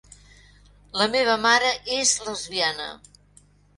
La meva mare és lesbiana.